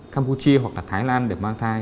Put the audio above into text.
campuchia hoặc là thái lan để mang thai